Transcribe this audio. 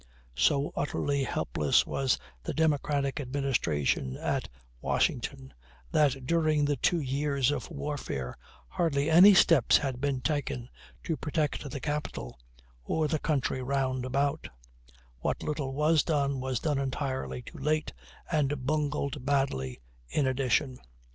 So utterly helpless was the Democratic Administration at Washington, that during the two years of warfare hardly any steps had been taken to protect the Capitol, or the country round about; what little was done, was done entirely too late, and bungled badly in addition.